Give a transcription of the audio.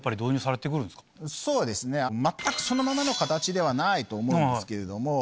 全くそのままの形ではないと思うんですけれども。